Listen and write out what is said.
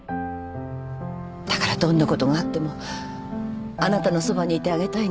だからどんなことがあってもあなたのそばにいてあげたいんだって。